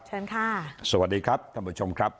เชิญค่ะสวัสดีครับท่านผู้ชมครับ